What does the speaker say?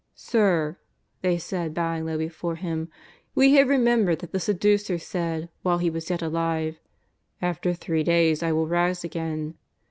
" Sir," they said, bowing low before him, " we have remembered that that seducer said while he was yet alive :^ After three days I vdll rise again.'